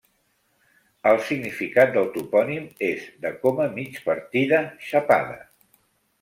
El significat del topònim és de 'coma migpartida, xapada'.